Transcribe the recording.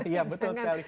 iya betul sekali